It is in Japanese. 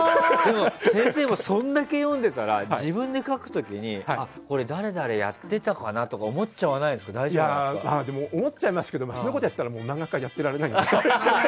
先生もそれだけ読んでいたら自分で描く時にこれは誰々がやってたかなと思っちゃいますけどそんなことやってたら漫画家をやってられないので。